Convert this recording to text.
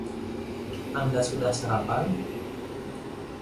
Anda sudah sarapan?